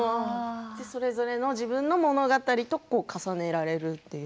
それぞれの自分の物語と重ねられるという。